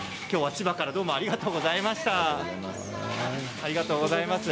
きょうは千葉からどうもありがとうございました。